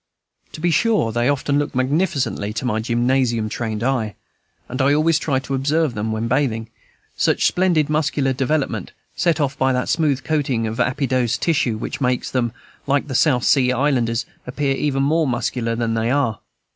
To be sure they often look magnificently to my gymnasium trained eye; and I always like to observe them when bathing, such splendid muscular development, set off by that smooth coating of adipose tissue which makes them, like the South Sea Islanders appear even more muscular than they are.